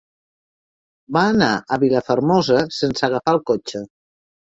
Va anar a Vilafermosa sense agafar el cotxe.